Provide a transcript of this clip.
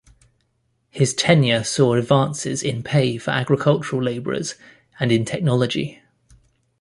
His tenure saw advances in pay for agricultural labourers, and in technology.